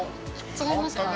◆違いますか？